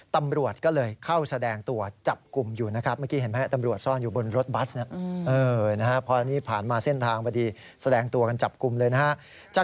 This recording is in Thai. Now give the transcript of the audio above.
ตำรวจก็เลยเข้าแสดงตัวและจับกลุ่มอยู่นะครับเมื่อกี้เห็นไหมนะ